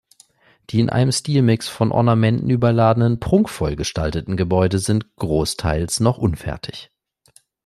Die in einem Stilmix von Ornamenten überladenen, prunkvoll gestalteten Gebäude sind großteils noch unfertig.